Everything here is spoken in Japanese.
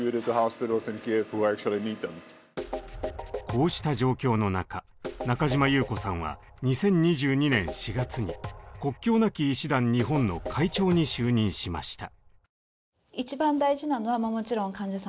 こうした状況の中中嶋優子さんは２０２２年４月に国境なき医師団日本の会長に就任しました。